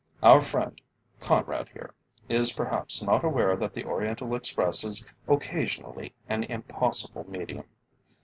Our friend, Conrad here, is perhaps not aware that the Oriental Express is occasionally an impossible medium.